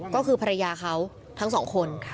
ก็คือภรรยาเขาทั้งสองคน